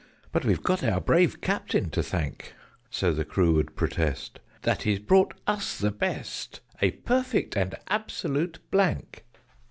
But we've got our brave Captain to thank" (So the crew would protest) "that he's bought us the best A perfect and absolute blank!"